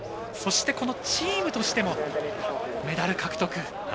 そして、このチームとしてもメダル獲得。